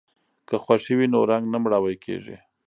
که خوښي وي نو رنګ نه مړاوی کیږي.